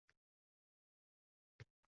U qumloqda o‘tirib o‘y surardi: